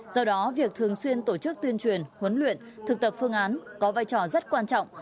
do đó việc thường xuyên tổ chức tuyên truyền huấn luyện thực tập phương án có vai trò rất quan trọng